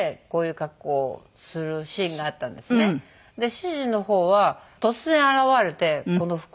主人の方は突然現れてこの服で。